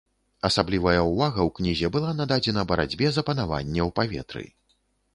Асаблівая ўвага ў кнізе была нададзена барацьбе за панаванне ў паветры.